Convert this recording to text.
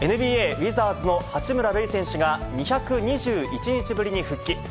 ＮＢＡ・ウィザーズの八村塁選手が、２２１日ぶりに復帰。